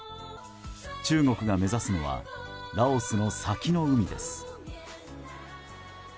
中国が目指すのはラオスの先の海です。